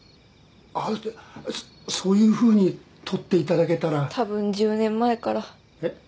あっそういうふうに取っていただけたら多分１０年前からえっ？